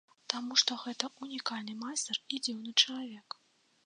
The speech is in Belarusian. Таму што гэта ўнікальны майстар і дзіўны чалавек.